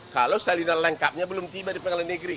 kalau salinan lengkapnya belum tiba di pengadilan negeri